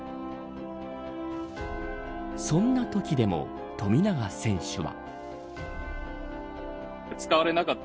そんなときでも富永選手は。